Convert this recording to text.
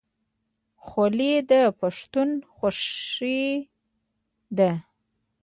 خولۍ د پښتنو خوښي ده.